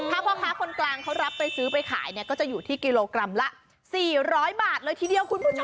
ถ้าพ่อค้าคนกลางเขารับไปซื้อไปขายเนี่ยก็จะอยู่ที่กิโลกรัมละ๔๐๐บาทเลยทีเดียวคุณผู้ชม